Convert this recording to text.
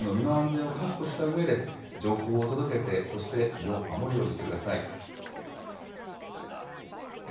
まず皆さんのご自身の身の安全を確保したうえで、情報を届けて、そして身を守るようにしてください。